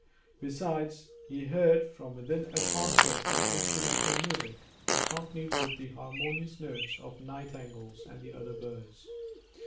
Besides, he heard from within a concert of instrumental music, accompanied with the harmonious notes of nightingales and other birds.